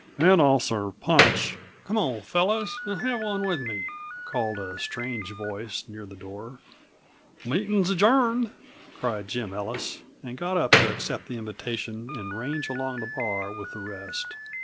And I'll serve punch " "Come on, fellows, and have one with me," called a strange voice near the door. "Meeting's adjourned," cried Jim Ellis, and got up to accept the invitation and range along the bar with the rest.